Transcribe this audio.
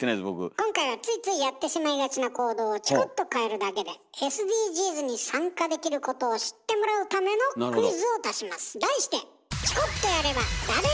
今回はついついやってしまいがちな行動をチコっと変えるだけでＳＤＧｓに参加できることを知ってもらうためのクイズを出します。